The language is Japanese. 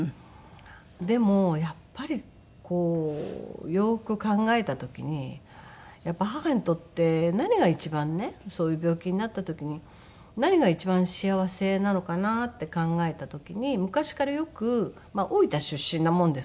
でもやっぱりこうよく考えた時に母にとって何が一番ねそういう病気になった時に何が一番幸せなのかなって考えた時に昔からよく大分出身なものですから。